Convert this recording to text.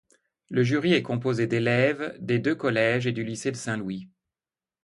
Le jury est composé d'élèves des deux collèges et du lycée de Saint-Louis.